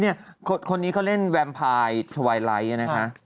คนนี้เขาเล่นแวมพายทวายไลท์นะคะ